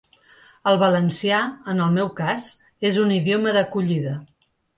El valencià, en el meu cas, és un idioma d’acollida.